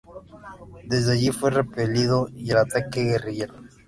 Desde allí fue repelido el ataque guerrillero.